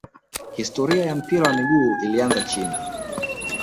historia ya mpira wa miguu ilianzia china